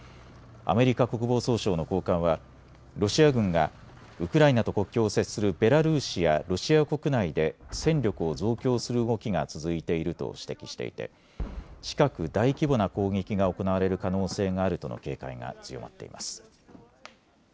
アメリカ国防総省の高官はロシア軍がウクライナと国境を接するベラルーシやロシア国内で戦力を増強する動きが続いていると指摘していて近く大規模な攻撃が行われる可能性があるとの警戒が強まっています。